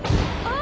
あ。